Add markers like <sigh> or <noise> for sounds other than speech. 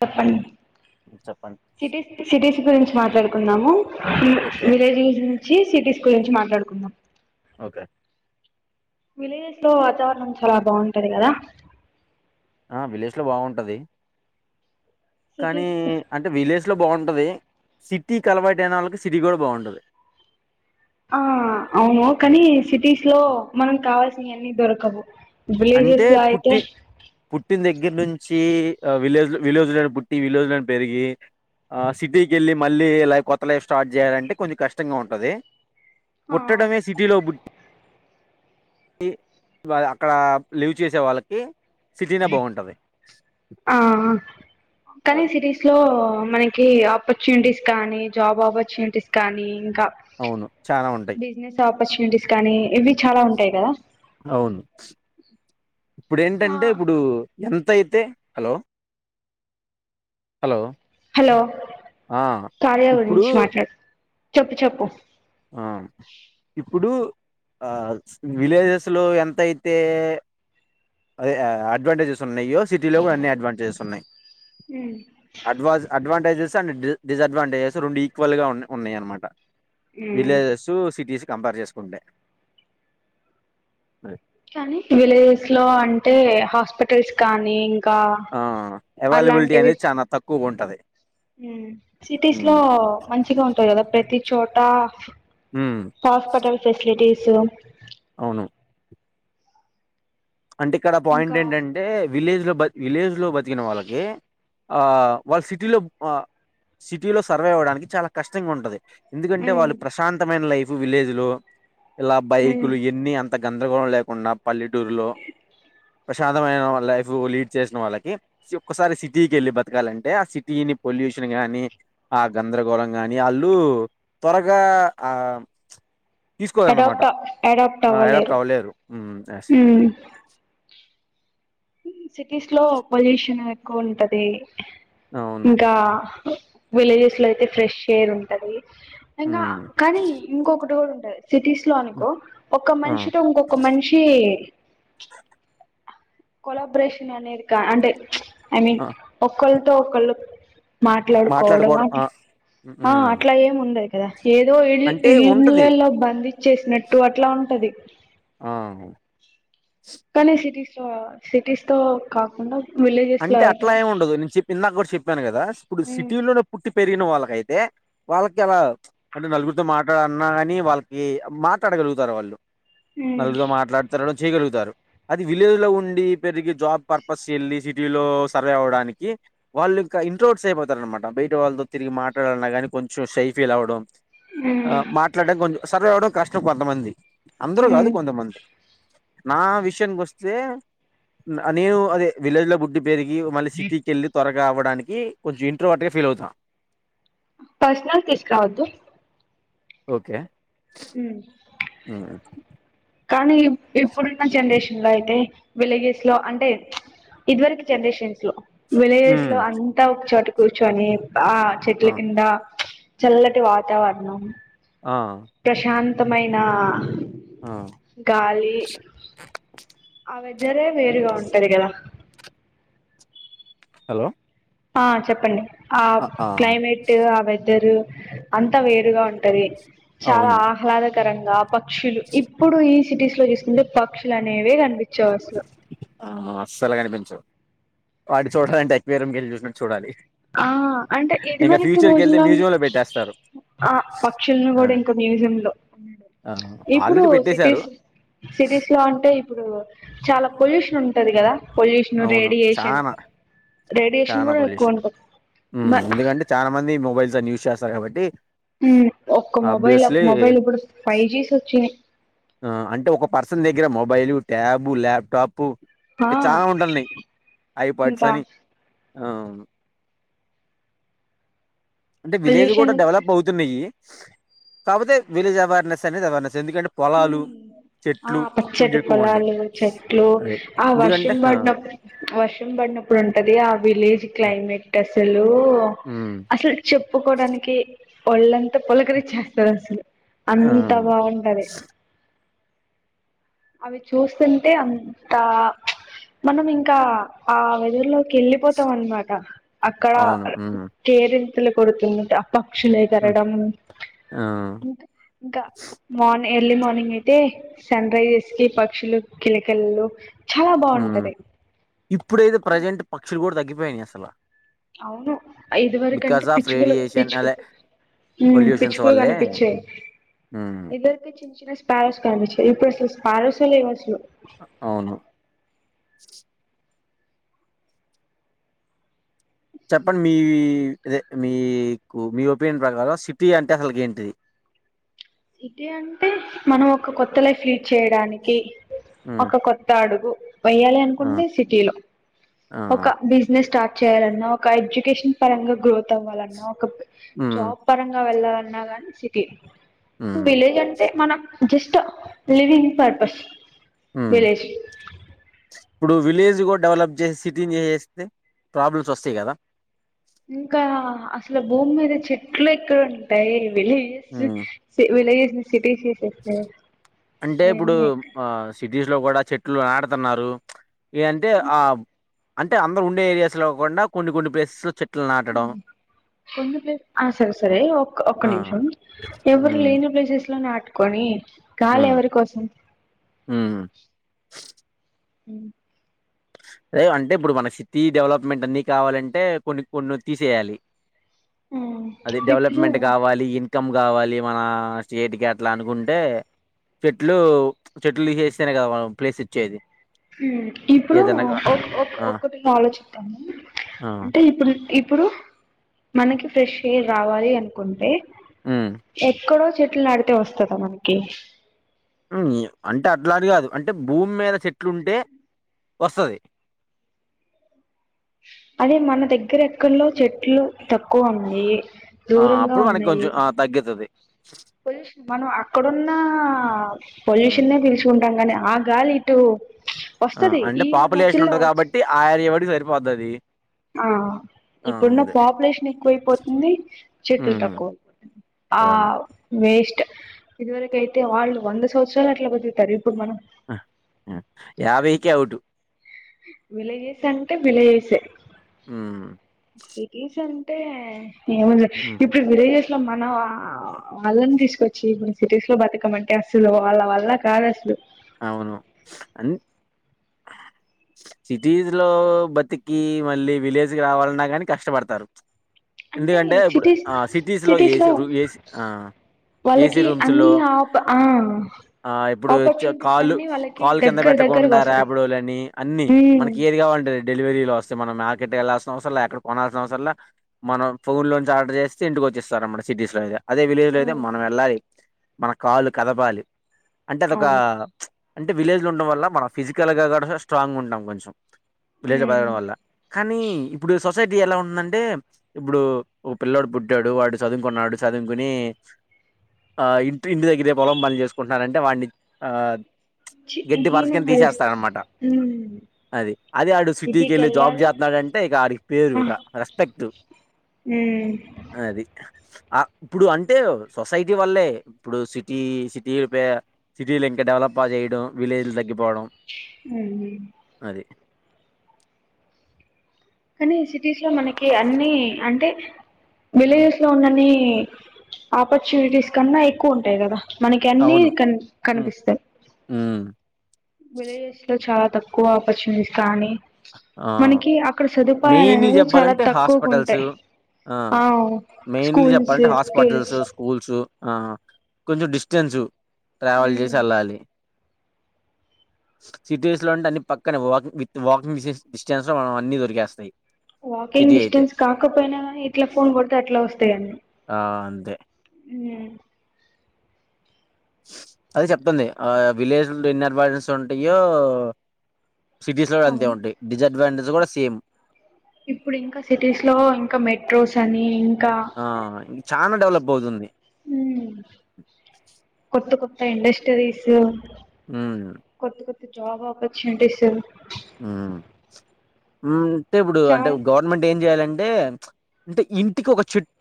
చెప్పండి చెప్పండి city cities గురించి మాట్లాడుకుందామ ఓకే విలేజ్స్ నుంచి సిటీస్ గుంచి మాట్లాడుకుందాం ఓకే విలేజస్ లో వాతావరణం చాలా బాగుంటది కదా ఆ విలేజ్ లో బాగుంటది కానీ సిటీస్ అంటే విలేజ్ లో బాగుంటది సిటీ కలవాటున వాళ్ళకి సిటీ కూడా బాగుంటది ఆ అవును కానీ సిటీస్ లో మనం కావాల్సినవన్నీ దొరకవు అంటే విలేజెస్ లో అయితే పుట్టి పుట్టిన దగ్గర దగ్గర నుంచి విలేజ్ విలేజ్ లోని పుట్టి విలేజ్ లోని పెరిగి ఆ సిటీకి వెళ్ళి మళ్ళీ లై కొత్త లైఫ్ స్టార్ట్ చేయాలంటే కొంచెం కష్టంగా ఉంటది ఆ పుట్టడమే సిటీలో బుడ్ అక్కడ లీవ్ చేసే వాళ్ళకి సిటీనే బావుంటది. ఆ కనీ అది. సిటీస్ లో మనకి ఆపర్చునిటీస్ కానీ జాబ్ ఆపర్చునిటీస్ కానీ అవును. చాలా ఉంటాయి. బిజినెస్ ఆపర్చునిటీస్ కానీ చాలా ఉంటాయి కదా అవును ఇప్పుడ ఆ ఏంటంటే ఇప్పుడు ఎంత త్తయితే హలో హలో హలో ఆ కార్య ఇప్పుడు గురించి మాట్లాడు చెప్పు చెప్పు ఆ ఇప్పుడు విలేజెస్లో ఎంతయితే అదే అడ్వాంటేజ్ ఉన్నాయో సిటీలో కూడా అన్ని అడ్వాంటేజెస్ ఉన్నాయి ఉమ్ అడ్ అడ్వాంటే ెస్ అ డి డిస్డ్వాంటేజెస్ రెండు ఈక్వల్ గా ఉ ఉన్నాయి అనమాట ఉమ్ విలేజెస్ సిటీస్ కంపేర్ చేసుకుంటే కానీ విలేజెస్ లో అంటే హాస్పిటల్స్ కానీ ఇకా ఆ అవైలబిలిటీ అలాంటివి అనేది చాలా తక్కువగా ఉంటది సిటీస్ ఉమ్ లో మంచిగా ఉంటంది కదా ప్రతి చోట ఉమ్, హాస్పిటల్ ఫెసిలిటీసు అవును అంటె ఇక్కడ పాయింట్ ఇంకా ఏంటంటే విలేజ్లో బతి విలేజ్లో బతికిన వాళ్ళకి ఆ వాళ్ళు సిటీలో సిటీలో సర్వై్ అవ్వడానికి చాలా కష్టంగా ఉంటది ఎందుకంటే ఉమ్ వాళ్ళు ప్రశాంతమైన లైఫ్ విలేజ్లో ఇలా ఉమ్ బైకులు ఇన్ని అంత గ ఏ గోళ లేకుండా పల్లెటూరులో ప్రశాతమైన లైఫ్ లీడ్ చేసిన వాళ్ళకి ఒక్కసారి సిటీకి వెళ్ళి బతకాలంటే ఆ సిటీని పొలి ట్యూషన్ గాని ఆ గందరగోళం గాని వాళ్ళు త్వరగా ఆ తీసుకోలెన్నమాట అడాప్ట్ అడాప్ట్ అడాప్ట్ అవ్వలేరు ఎస్ సిటీస్ లో పొల్యూషన్ ఎక్కువగ ఉంటది అవును ఇంకా విలేజెస్ లో అయితే ఫ్రెష్ ఎయిర్ ఉంటది ఇంకా మ్మ్ కానీ ఇంకొకటి కూడా ఉంటది సిటీస్ లో అనుకో ఒక్క ఆ మనిషి తొ ఇంకొక మనిషి కొలా బ్రేషన్ అనేదికా అంటే ఐ మీన్ ఆ ఒకళ్ళతో ఒకళ్ళు మాట్లాడుకోవడం అ ఆ మ్మ్ అట్లా ఏముండది కదా ఏదో ఇళ్ అంటే ఉంటది ఇళ్లలో బంధిచ్చేసినట్టు అట్లా ఉంటది ఆహమ్ కానీ సిటీస్లో సిటీస్ తో కాకుండా విలేజెస్ లో అంటే అయితే అట్లా ఏం ఉండదు, నేను చెప్పి ఇందాక గూడా చెప్పాను గదా ఇప్పుడు ఉమ్ సిటీలోనే పుట్టి. పెరిగిన వాళ్ళకయితే వాళ్ళకి అలా అంటే నలుగురితో మాట్లాడాన్నా కాని వాళ్ళకి మాట్లాడ. రలుగుతారు వాళ్ళు ఉమ్ <unintelligible> తో మాట్లాడుతరు చేయగలుగుతారు, అది విలేజ్ లో ఉండి పెరిగి జాబ్ పర్పస్ ఎళ్ళి సి కిలో సర్వే అవ్వడానికి వాళ్ళు ఇంకా ఇంట్రో సేఫ్ అవతారు అనమాట బయట వాళ్ళతో తిరిగి మాట్లాడాలన్న గాని కొ. కొంచెం షై ఫీల్ అవ్వడం ఆ ఉమ్ మాట్లాడ్డం కొంజు సర్వే అవ్వడం కష్టం కొంతమంది, అందరూ గాదు ఉమ్ కొంతమంది. నా విషయంగొస్తే నా నేను అదే విలేజ్ లో బుడ్ పెరిగి మళ్ళి సిటీకెళ్ళి త్వరగా అవ్వడానికి కొంచు ఇంట్రోవట్ గ ఫీల్ అవుతా. పర్సనల్ తీస్కురావద్దు ఓకె ఊ ఊ కానీ ఈ ఇప్పుడున్న జన్రేషన్ లో అయితే విలేజెస్లో అంటే ఇది వరకు జనరేషన్స్ లో విలిజేస్ హ్మ్. లో అంతా ఒక చోట కూర్చోనీ ఆ ఆ! చెట్ల కింద చల్లటి వాతావరణం ఆ ఉత్తమైన ఆ! గాలి ఆ వెదరే వేరుగా ఉంటది గదా హలో ఆ చెప్పండి ఆ క్లైమేట్ ఆ వెదరు అంత వేరుగా ఉంటది, చాలా అవును. ఆహ్లాదకరంగా. పక్షులు, ఇప్పుడు ఈ సిటీస్ లో చూసుకుంటే పక్షులనేవే కనిపపించవు అసలు. ఆ అస్సలు కనిపించవ్ వాటి చూడాలంటే ఎక్వేరియం కెళ్ళి చూసినట్టు చూడాలి. ఆ అంటే ఇది ఇంకా వరకి ఫ్యూచర్‌కెళ్తే రోజుల్లోండి మ్యూజియంలో పెట్టేస్తారు. ఆ పక్షుల్ని ఆ! గూడా ఇంక మ్యూజియం లో ఆ! ఇప్పుడు ఆల్రెడీ పెట్టేశారు. సిటీస్ సిటీస్లో అంటే ఇప్పుడు చాల పొల్యూషన్ ఉంటది గదా పొల్యూషనూ, అవును. రేడియేషన్, చానా, రేడియేషన్ గూడా ఎక్కువ ఉంటది. ఊ మ ఎందుకంటే చాలా మంది మొబైల్స్ అని యూజ్ చేస్తారు కాబట్టి. ఊ ఒక్క మొబైల్ ఆబ్వియస్‌లీ మొబైల్ ఇప్పుడు ఫైవ్ జీస్ ఒచ్చినయ్. ఆ అంటే ఒక పర్సన్ దగ్గర మొబైల్, ల్యాబ్, ల్యాప్టాప్. పు ఆ ఇంక చాలా ఉంటాల్నాయ్ ఐపాడ్స్ ఇంకా అని ఆమ్ అంటే విలేజ్ గూడా పొల్యూషన్ డెవలప్ అవుతున్నయి, కాపోతే విలేజ్ అవేర్నెస్ అనేది అవార్నస్. ఊమ్ ఆ కొంచెం పచ్చటి ఎక్కువ ఉంటాయి పొలాలు, చెట్లు, అదే ఆ ఎందుకంటే వర్షం బ. ఆ! ఉనప్పు వర్షం పడినప్పుడు ఉంటది ఆ విలేజ్ ఆ! క్లైమేట్ అసల్ లూ, హ్మ్. అసల్ చెప్పుకోడానికే ఒళ్ళంతా పులకరిచ్చేస్తాది అసలు. ఆ! అంతా బావుంటది అవి చూస్తుంటే అంత మనం ఇంకా ఆ వెదర్లో. కెళ్ళిపోతాం అన్ మాట అక్కడ అవును. హ్మ్. కేరింతలు కొడుతునుంట. పక్షులు హ్మ్. ఎగరడం ఆ! ఇంక ఇంకా మాన్ ఎర్లీ మార్నింగ్ అయితే సన్ రైజెస్ కి పక్షులు కిలకిలలు చాలా హ్మ్. బావుంటది ఇప్పుడైతే ప్రజెంట్ పక్షులు గూడా తగ్గిపోయినయి అసల అవును అ ఇదువరకంటే బికాస్ ఆఫ్ పిచ్చుకలు రేడియేషన్ పిచ్చు అదే ఊమ్ పొల్యూషన్స్ పిచ్చుకలు వల్లే కనిపిచ్చేయ్ హ్మ్. ఇదరికి చిన్న చిన్న ప్యారేట్స్ కనిపిచ్చేవి ఇప్పుడు అసలు ప్యారేట్సే లేవు అసలు. అ అవును చెప్పండి మీదే మీకు మీ ఒపీనియన్ ప్రకారం సిటీ అంటే అసలుకి ఏంటి సిటీ అంటే మనం ఒక కొత్త లైఫ్ లీడ్ చేయడానికి హ్మ్. ఒక కొత్త అడుగు వేయాలి ఆ! అనుకుంటే సిటీ లో ఆ! ఒక బిజినెస్ స్టార్ట్ చేయాలన్నా ఒక ఎడ్యుకేషన్ పరంగా గ్రోత్ అవ్వాలన్నా ఒక హ్మ్. జాబ్ పరంగా వెళ్లాల న్న సిటీ హ్మ్. విలేజ్ అం టే మనకు జస్ట్ లివింగ్ పర్పస్ హ్మ్. విలేజ్ ఇప్పుడు విలేజ్ కూడా డెవలప్ చేసి సిటీని చేసెస్తే ప్రాబ్లమ్స్ వస్తాయి కదా ఇంకా అసలు భూమి మీద చెట్లు ఎక్కడ ఉంటాయి విలేజ్ హ్మ్ విలేజ్స్ ని సి టీస్ చెసేస్తే అంటే ఇప్పుడు అవన్ని ఆ సిటీస్ లో కూడా చెట్లు నాడుతున్నారు ఏ అంటే ఆ అంటే అందరు ఉండే ఏరియాస్లో కాకుండా కొన్ని కొన్ని ప్లేసెస్లో చెట్లు నాటడం కొన్ని ప్లేస్ అ సరే సరే ఒ ఒక్క ఆ! నిమిషం ఎవరు హ్మ్. లేని ప్లేసెస్ లో నాటు కొని గాలి హ్మ్. ఎవరి కోసం హ్మ్. మ్ అదే అంటే ఇప్పుడు మన సిటీ డెవలప్మెంట్ అన్ని కావాలంటే కొన్ని కొన్ని తీసేయాలి మ్మ్ అది ఇప్పుడు డెవలప్మెంట్ కావాలి ఇన్ కమ్ కావాలి మన స్టేట్కి అట్లా అనుకుంటే చెట్లు చెట్లు తీసెస్తేనే కదా మనం ప్లేస్ ఇచ్చేది మ్ ఇప్పుడు ఏదన్నా గా ఒక ఒక ఆ! ఒకటి ఆలోచితాము ఆ! అంటే ఇప్పుడు ఇప్పుడు మనకి ఫ్రెష్ ఎయిర్ రావాలి అనుకుంటే హ్మ్. ఎక్కడో చెట్లు నాటితే వస్తదా మనకి మ్ అంటే అట్లా అని కాదు అంటే భూమి మీద చెట్లు ఉంటే వస్తది అదే మన దగ్గర ఎక్కడలో చెట్లు తక్కువ ఉన్నాయి ఆ దూరంగా అప్పుడు మనకి ఉన్నాయి కొంచెం ఆ తగ్గుతది పొల్యూషన్ మనం అక్కడున్న హ్మ్. పొల్యూషన్నే పీలుచుకుంటాం కానీ ఆ గాలి ఇటూ ఆ అంటే పాపులేషన్ ఉంటది కాబట్టి ఆ ఏరియా వాటికి సరిపోతది ఆ ఇప్పుడున్న పాపులేషన్ ఎక్కువైపోతుంది చెట్లు హ్మ్. తక్కువ అయిపోతుంది ఆ అవును. వేస్ట్ స్ట్ ఇది వరకు అయితే వాళ్లు వంద సంవత్సరాలు అట్లా బతుకుతారు ఇప్పుడు మనం యాభైకే ఔటు విలేజ్స్ అంటే విలేజ్సే హ్మ్. సిటీస్ అం ఏమ హ్మ్. ఇప్పుడు వే అలో మన వాళ్ళని తీసుకొచ్చి కొ సిటీస్ లో బతుకమంటే అసలు వాళ్ళ వల్ల కాదు అసలు అవును అ సిటీస్ లో బతికి మళ్ళీ విలేజ్కిి రావాలన్నా కాని కష్టపడతారు అంటే ఎందుకంటే ఇప్పుడు సిటీస్ ఆ సిటీస్ లో ఏ ఏసి ఆ ఏస వాళ్ళకి రూమ్స్ లో అన్ని ఆప ఆ ఇప్పుడు కా ఆపర్చునిటీస్ అన్ని వాళ్ళకి కాల్ కింద దగ్గర దగ్గరగా పెట్టకుండా వస్తాయి రేపడని అన్ని మనకి ఏది కావాలంట డెలివరీలో వస్త మన మార్కెట్ వెలాాల్సిన అవసర ఎక్క కొనాల్సిన అవసర మనం ఫోన్ నుంచి ఆర్డర్ చేస్తే ఇంటికి వచ్చేస్తారు తీసుజా అదే విలేజ్లో అయితే మనం వెళ్ళాలి మన కాళ్ళు కదపాలి అంటే అదొక అవును అంటే విలేజ్ లో ఉండడం వల్ల మనం ఫిజికల్ గా కూడా స్ట్రాంగ్గా ఉంటాం కొంచెం లేజ పడడం వల్ల కానీ ఇప్పుడు సో సొసైటీ ఎలా ఉందంటే ఇప్పుడు పిల్ల్లోడు పుట్టాడు వాడు చదువుకున్నాడు చదువుకుని ఆ ఇంటి ఇంటి దగ్గరే పొలం మని చేసుకుంటున్నారంటే వాడిని ఆ గడ్డి పరచ్కొని హీనంగా చేస్తారు తీసేస్తారన్నమాట అది అది ఆడు సిటీకి వెళ్ళి జాబ్ చెత్తన్నాడాంటే ఇగ ఆడికి పేరు ఇగ రెస్పెక్ట్ హ్మ్ అది. ఆ ఇప్పుడు అంటే సొసైటీ వల్లే ఇప్పుడు సిటీ సిటీ సిటీలు ఇంకా డెవలప్ బాగ్ చేయడం విలేజ్లు తగ్గిపోవడం ఉహు అది. కానీ సిటీస్ లో మనకి అన్ని అంటే హ్మ్. విలేజెస్ లో ఉన్నని ఆపర్చునిటీస్ కన్నా ఎక్కువ ఉంటాయి కదా మనకి అన్ని అవును. కన్ హ్మ్. కనిపిస్తాయి హ్మ్. విలేజస్ లో చాలా తక్కువ అప్పుర్టునిటీస్ కానీ మనకి అక్కడ సదుపాయాలు మెయిన్లీ అనేవి చాలా చెప్పాలంటే తక్కువగా హాస్పిటల్స్ ఉంటాయి ఆ మెయిన్లీ స్కూల్స్ చెప్పాలంటే స్కిల్స్ హాస్పిటల్స్ స్కూల్స్ ఆ కొంచెం డిస్టెన్సు ట్రావెల్ ఉమ్ చేసి ఏళ్ళాలి సిటీస్ లో ఉంటే అన్ని పక్కనే వాక్ విత్ వాక్ డిస్టెన్స్ లో మనకన్ని దొరికేస్తాయి సిటీ వాకింగ్ అయితే డిస్టెన్స్ కాకపోయినా గని ఇట్లా ఫోన్ కొడితే అట్లా వస్తాయన్నీ ఆ అంతే హ్మ్ అదే చెప్తుంది ఆ విలేజ్ ఎన్ని అడ్వాంటేజెస్ ఉంటాయో సిటీస్ లో కూడా అంతే అవును ఉంటాయి డిస్డ్వాంటేజ్స్ కూడా సేమ్ ఇప్పుడు ఇంకా సిటీస్ లో ఇంకా మెట్రోస్ అని ఇంకా ఆ ఇంక చానా డెవలప్ అవుతుంది హ్మ్ కొత్త కొత్త ఇండస్టరీసు ఉమ్ జాబ్ అప్పుర్టునిటీసు ఆ హ్ అంటే ఇప్పుడు అంటే చాలా గవర్నమెంట్ ఏం చెయాలం టే అంటే ఇంటికి ఒక చెట్